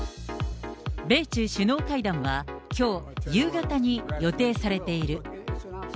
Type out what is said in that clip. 米中首脳会談は、きょう、夕方に予定されている。